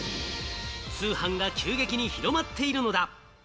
通販が急激に広まっているのだ。